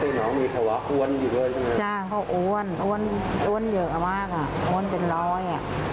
ใช่เขาอ้วนอ้วนเยอะมากอ้วนเป็นร้อย